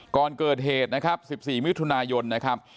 ก่อนเกิดเหตุนะครับ๑๔มิถุนายนนะครับ